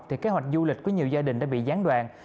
thì kế hoạch du lịch của nhiều gia đình đã bị gián đoạn